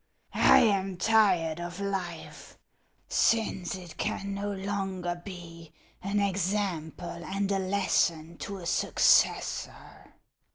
I a in tired of life, since it can no longer be an example and a lesson to a successor.